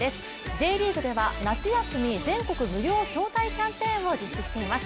Ｊリーグでは夏休み全国無料招待キャンペーンを実施しています。